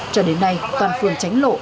cho đến nay toàn phường chánh lộ